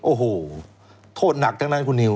โอ้โหโทษหนักทั้งนั้นคุณนิว